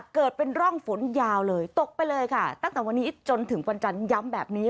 เกิดเป็นร่องฝนยาวเลยตกไปเลยค่ะตั้งแต่วันนี้จนถึงวันจันทร์ย้ำแบบนี้